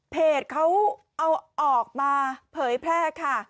เพจเขาเอาออกมาเผยแพร่ค่ะ